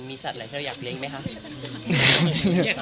มีสัตว์อะไรที่เราอยากเล้งไหมคะ